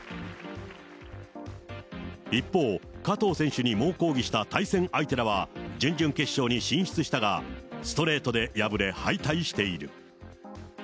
一方、加藤選手に猛抗議した対戦相手らは、準々決勝に進出したが、ストレートで敗れ、敗退している。